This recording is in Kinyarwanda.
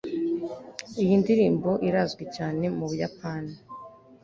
iyi ndirimbo irazwi cyane mu buyapani